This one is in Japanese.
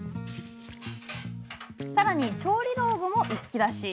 さらに、調理道具も一気出し。